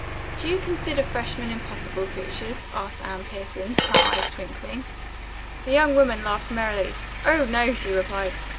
"Do you consider freshmen impossible creatures?" asked Anne Pierson, her eyes twinkling. The young woman laughed merrily. "Oh, no," she replied.